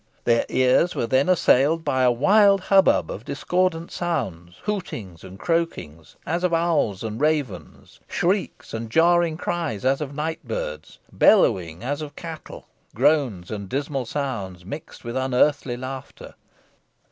Their ears were then assailed by a wild hubbub of discordant sounds, hootings and croakings as of owls and ravens, shrieks and jarring cries as of night birds, bellowings as of cattle, groans and dismal sounds, mixed with unearthly laughter.